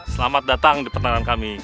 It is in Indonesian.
selamat datang di pertanyaan kami